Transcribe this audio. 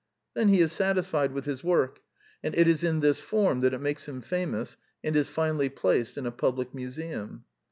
Then he is satisfied with his work; and it is in this form that it makes him famous and is finally placed in a public museum.